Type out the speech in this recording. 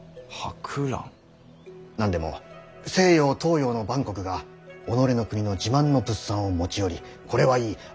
何でも西洋東洋の万国が己の国の自慢の物産を持ち寄り「これはいい」